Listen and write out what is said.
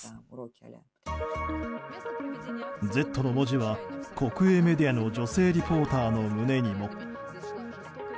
「Ｚ」の文字は国営メディアの女性リポーターの胸にも。